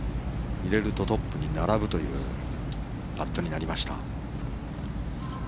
入れるとトップに並ぶというパットになりました。